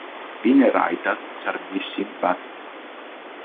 Vi ne rajtas, ĉar vi ŝin batis.